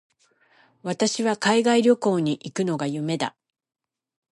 私は海外旅行に行くのが夢だ。